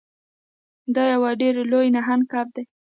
دا یو ډیر لوی نهنګ کب دی.